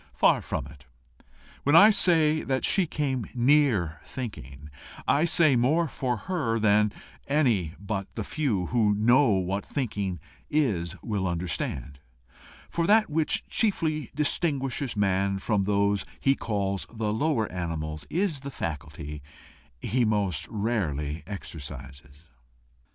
Far from it. When I say that she came near thinking, I say more for her than any but the few who know what thinking is will understand, for that which chiefly distinguishes man from those he calls the lower animals is the faculty he most rarely exercises.